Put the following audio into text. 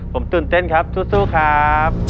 ผมตื่นเต้นครับสู้ครับ